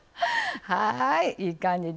はいいい感じです。